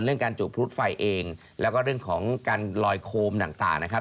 การจุดพลุไฟเองแล้วก็เรื่องของการลอยโคมต่างนะครับ